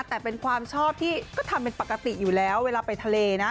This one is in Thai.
แต่เป็นความชอบที่ก็ทำเป็นปกติอยู่แล้วเวลาไปทะเลนะ